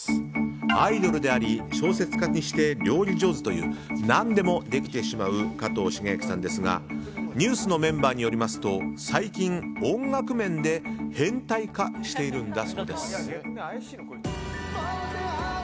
アイドルであり小説家にして料理上手という何でもできてしまう加藤シゲアキさんですがＮＥＷＳのメンバーによりますと最近、音楽面で変態化しているんだそうです。